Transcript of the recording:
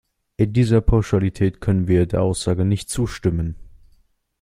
In dieser Pauschalität können wir der Aussage nicht zustimmen.